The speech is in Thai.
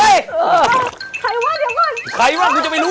ถ้าใครคงไม่รู้